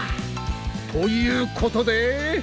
ということで。